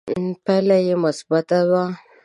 پایله یې مثبته وه